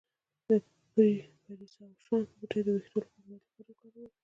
د پرسیاوشان بوټی د ویښتو د ودې لپاره وکاروئ